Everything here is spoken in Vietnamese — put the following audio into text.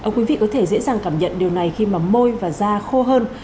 quý vị có thể dễ dàng cảm nhận điều này khi mà môi và da khô hơn